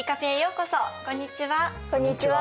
こんにちは。